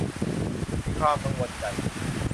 มีความกังวลใจ